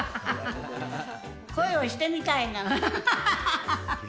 恋をしてみたいの。